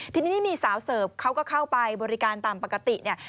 ทีนี้นี่มีสาวเสิร์ฟเขาก็เข้าไปบริการตามปกติเนี่ย